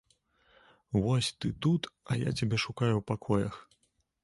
Вось, ты тут, а я цябе шукаю ў пакоях.